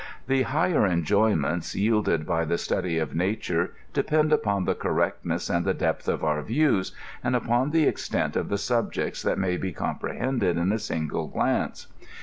The higher enjoyments yielded by the study of nature depend upon the correctness and the depth of our views, and upon the extent of the subjects that may be comprehended in a single glance.